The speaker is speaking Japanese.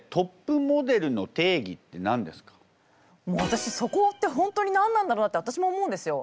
私そこって本当に何なんだろうなって私も思うんですよ。